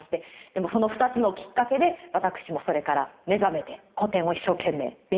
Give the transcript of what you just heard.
でもその２つのきっかけで私もそれから目覚めて古典を一生懸命勉強しております。